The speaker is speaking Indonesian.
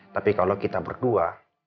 tapi kalau kita berdua